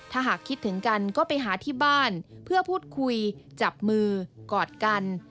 ถ้าหากคิดถึงกันก็ไปหาที่บ้านเพื่อพูดคุยจับมือกอดกัน